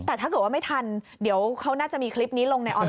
แต่ถ้าเกิดว่าไม่ทันเดี๋ยวเขาน่าจะมีคลิปนี้ลงในออน